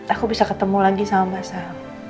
aku bisa ketemu lagi sama basah